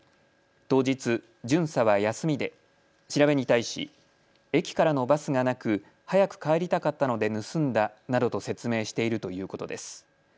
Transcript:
当日、巡査は休みで調べに対し駅からのバスがなく早く帰りたかったので盗んだなどと説明しているということです。